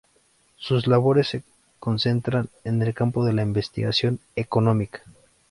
Sus labores se concentran en el campo de la investigación económica.